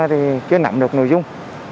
kia nằm được nội dung